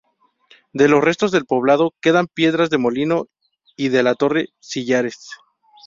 De los restos del poblado quedan piedras de molino, y de la torre, sillares.